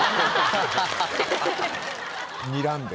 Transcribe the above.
にらんで。